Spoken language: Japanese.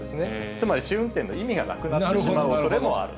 つまり試運転の意味がなくなってしまうおそれもある。